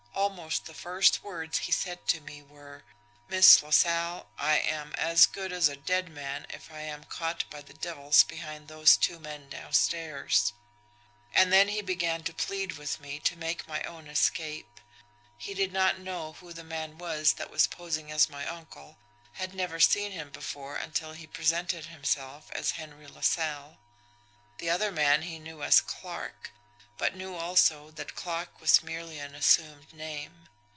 Almost the first words he said to me were: 'Miss LaSalle, I am as good as a dead man if I am caught by the devils behind those two men downstairs.' And then he began to plead with me to make my own escape. He did not know who the man was that was posing as my uncle, had never seen him before until he presented himself as Henry LaSalle; the other man he knew as Clarke, but knew also that 'Clarke' was merely an assumed name.